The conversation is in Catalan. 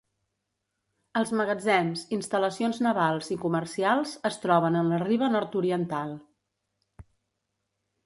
Els magatzems, instal·lacions navals i comercials es troben en la riba nord-oriental.